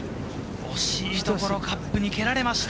惜しいところ、カップに蹴られました。